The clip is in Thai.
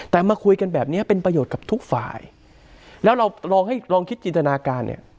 แต่มาคุยกันแบบเนี้ยเป็นประโยชน์กับทุกฝ่ายแล้วเราลองให้ลองคิดจินตนาการเนี่ย